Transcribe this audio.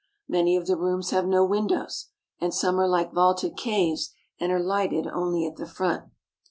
Many of the rooms have no windows, and some are like vaulted caves and are lighted only at the front.